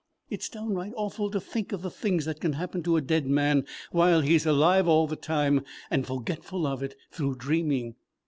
It's downright awful to think of the things that can happen to a dead man while he's alive all the time and forgetful of it through dreaming!